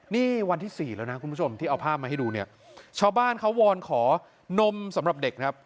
นี่วันที่สี่แล้วนะคุณผู้ชมที่เอาภาพมาให้ดูเนี่ยชาวบ้านเขาวอนขอนมสำหรับเด็กครับ